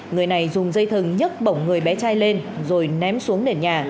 người này dùng dây thừng nhấc bổng người bé trai lên rồi ném xuống để nhảy